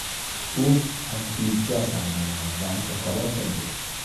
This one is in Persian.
او از هیچ جا سردرآورد و انتخابات را برد!